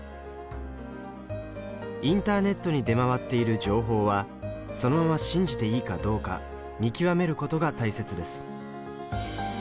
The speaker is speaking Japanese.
インターネットに出回っている情報はそのまま信じていいかどうか見極めることが大切です。